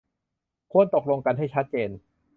ควรตกลงกันให้ชัดเจน